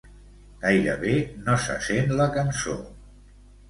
Gairebé no se sent la cançó.